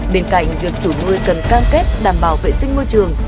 bên cạnh việc chủ nuôi cần cam kết đảm bảo vệ sinh môi trường